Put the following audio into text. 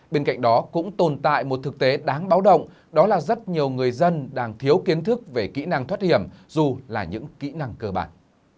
bên cạnh đó cũng tồn tại một thực tế đáng báo động đó là rất nhiều người dân đang thiếu kiến thức về kỹ năng thoát hiểm dù là những kỹ năng cơ bản